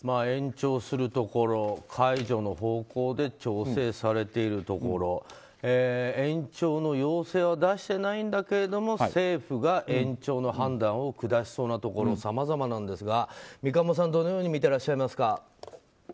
延長するところ、解除の方向で調整されているところ延長の要請は出してないんだけれども政府が延長の判断を下しそうなところさまざまなんですが三鴨さん、どのように見ていらっしゃいますか。